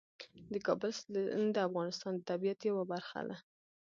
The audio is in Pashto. د کابل سیند د افغانستان د طبیعت یوه برخه ده.